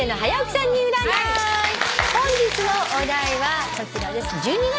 本日のお題はこちらです。